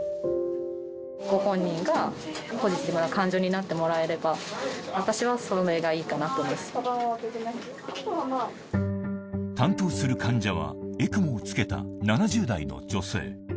ご本人がポジティブな感情になってもらえれば、担当する患者は、ＥＣＭＯをつけた７０代の女性。